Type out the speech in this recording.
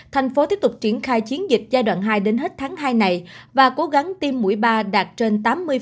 thành phố tiếp tục triển khai chiến dịch giai đoạn hai đến hết tháng hai này và cố gắng tiêm mũi ba đạt trên tám mươi